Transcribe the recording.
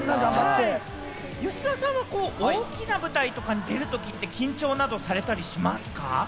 吉沢さんは大きな舞台とかに出るときって緊張などされたりしますか？